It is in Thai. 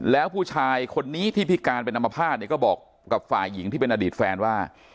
แล้วผู้ชายคนนี้ที่พิการเป็นอัมพาตเนี่ยก็บอกกับฝ่ายหญิงที่เป็นอดีตแฟนว่า